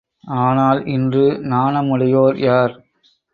ஆனால், இன்று நாணமுடையோர் யார்?